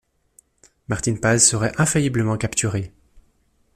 Martin Paz serait infailliblement capturé.